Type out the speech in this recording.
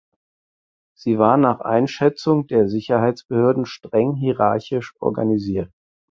Sie war nach Einschätzung der Sicherheitsbehörden streng hierarchisch organisiert.